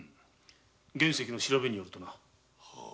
玄石の調べによるとな。